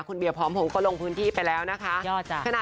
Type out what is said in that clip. คุณเบียพร้อมพงศ์ก็ลงพื้นที่ไปแล้วนะคะ